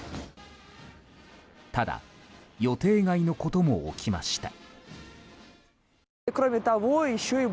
ただ、予定外のこと起きました。